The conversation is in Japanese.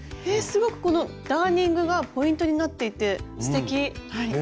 すごくこのダーニングがポイントになっていてすてき！ね。